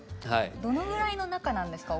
どのぐらいの仲なんですか？